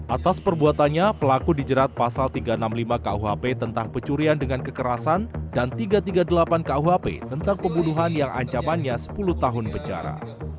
atas perbuatannya pelaku dijerat pasal tiga ratus enam puluh lima kuhp tentang pencurian dengan kekerasan dan tiga ratus tiga puluh delapan kuhp tentang pembunuhan yang ancamannya sepuluh tahun penjara